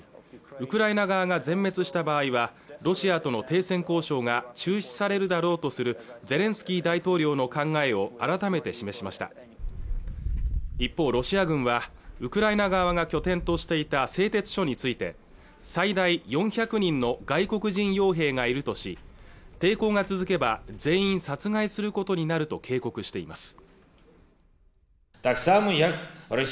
ウクライナ側が全滅した場合はロシアとの停戦交渉が中止されるだろうとするゼレンスキー大統領の考えを改めて示しました一方、ロシア軍はウクライナ側が拠点としていた製鉄所について最大４００人の外国人傭兵がいるとし抵抗が続けば全員殺害することになると警告しています